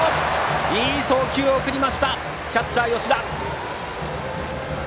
いい送球を送りましたキャッチャーの吉田！